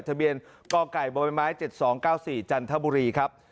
ทะเบียนกไก่บไม้๗๒๙๔จันทบุรีครับ